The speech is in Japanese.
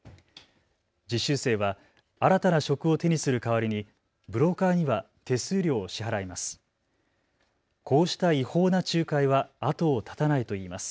実習生は新たな職を手にする代わりにブローカーには手数料を支払います。